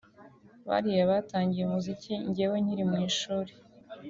bariya batangiye umuziki njyewe nyiri mu ishuri